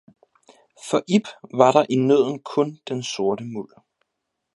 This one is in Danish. for Ib var der i nødden kun den sorte muld.